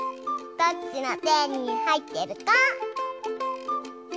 どっちのてにはいってるか？